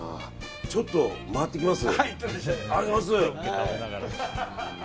ちょっと回ってきます。